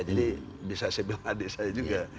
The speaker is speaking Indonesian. jadi bisa saya bilang adik saya juga